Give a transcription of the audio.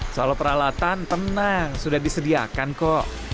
soal peralatan tenang sudah disediakan kok